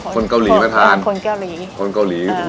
คนเกาหลีมาทานคนเกาหลีคนเกาหลี